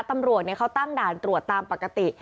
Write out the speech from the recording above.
ตำรวจเขาตั้งด่านตรวจตามปกติ